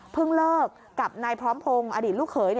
เลิกกับนายพร้อมพงศ์อดีตลูกเขย